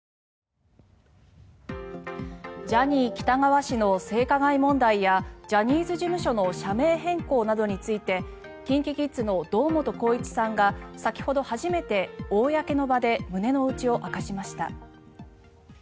ジャニー喜多川氏の性加害問題やジャニーズ事務所の社名変更などについてＫｉｎＫｉＫｉｄｓの堂本光一さんが先ほど初めて公の場で胸の内を明かしました。